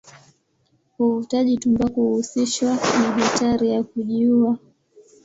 Uvutaji tumbaku huhusishwa na hatari ya kujiua.